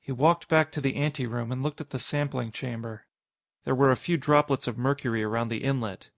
He walked back to the anteroom and looked at the sampling chamber. There were a few droplets of mercury around the inlet.